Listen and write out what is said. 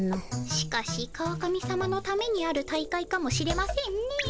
しかし川上さまのためにある大会かもしれませんねえ。